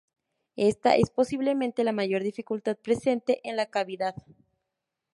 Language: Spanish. Esta es posiblemente la mayor dificultad presente en la cavidad.